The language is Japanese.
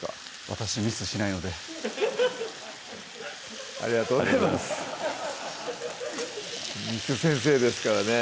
私ミスしないのでありがとうございます簾先生ですからね